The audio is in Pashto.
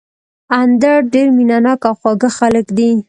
اندړ ډېر مېنه ناک او خواږه خلک دي